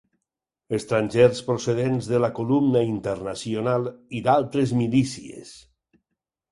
Estrangers procedents de la Columna Internacional i d'altres milícies